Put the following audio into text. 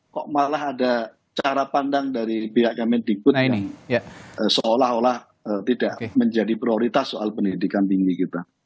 kok malah ada cara pandang dari pihak kemendikbud yang seolah olah tidak menjadi prioritas soal pendidikan tinggi kita